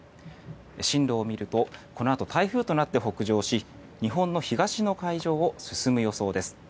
進路を見るとこのあと台風となって北上し日本の東の海上を進む予想です。